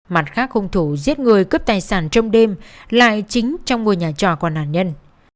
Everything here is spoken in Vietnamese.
mặt khác hung thủ giết người cướp tài sản trong đêm lại chính trong ngôi nhà trò của nạn nhân